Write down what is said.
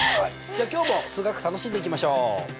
じゃあ今日も数学楽しんでいきましょう。